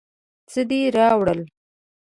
څه دې راوړل؟